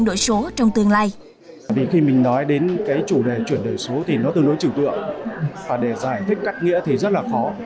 nói đến chủ đề chuyển đổi số thì nó tương đối trừ tượng và để giải thích cách nghĩa thì rất là khó